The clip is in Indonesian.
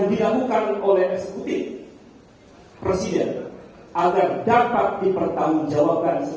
tiga menyesuaikan peristiwa pilihan dan met corinthians aum sendiri